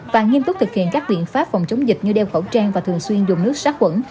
và nghiêm túc thực hiện các biện pháp phòng chống dịch như đeo khẩu trang và thường xuyên dùng nước sát quẩn